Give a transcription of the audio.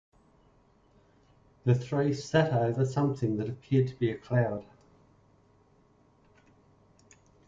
The three sat over something that appeared to be a cloud.